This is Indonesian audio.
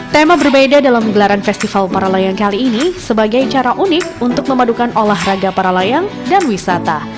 tema berbeda dalam gelaran festival para layang kali ini sebagai cara unik untuk memadukan olahraga para layang dan wisata